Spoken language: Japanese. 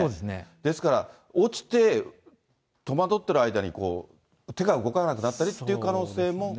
ですから落ちて戸惑ってる間に手が動かなくなったりという可能性も。